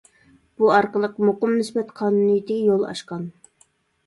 بۇ ئارقىلىق مۇقىم نىسبەت قانۇنىيىتىگە يول ئاچقان.